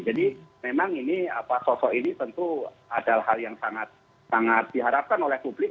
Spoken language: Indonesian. jadi memang ini sosok ini tentu adalah hal yang sangat diharapkan oleh publik